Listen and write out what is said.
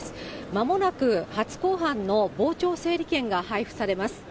まもなく初公判の傍聴整理券が配布されます。